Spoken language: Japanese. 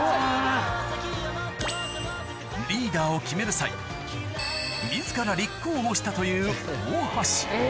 リーダーを決める際したという大橋